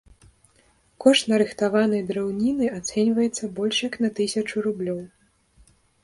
Кошт нарыхтаванай драўніны ацэньваецца больш як на тысячу рублёў.